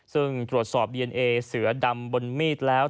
ซึ่งตรวจสอบดีเอนเอเสือดำบนมีดแล้ว